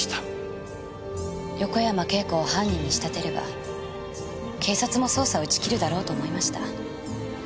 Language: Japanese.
横山慶子を犯人に仕立てれば警察も捜査を打ち切るだろうと思いました。